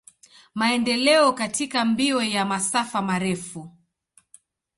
Maendeleo katika mbio ya masafa marefu.